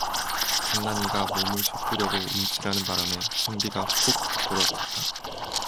간난이가 몸을 솟구려고 움찔하는 바람에 선비가 푹 거꾸러졌다.